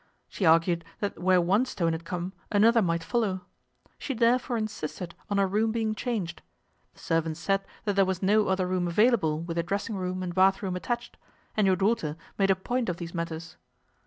She argued that where one stone had come another might follow. She therefore insisted on her room being changed. The servants said that there was no other room available with a dressing room and bath room attached, and your daughter made a point of these matters.